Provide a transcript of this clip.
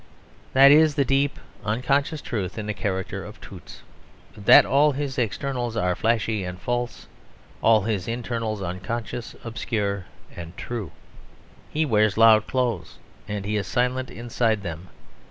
That is the deep unconscious truth in the character of Toots that all his externals are flashy and false; all his internals unconscious, obscure, and true. He wears loud clothes, and he is silent inside them.